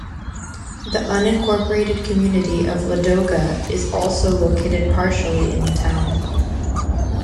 The unincorporated community of Ladoga is also located partially in the town.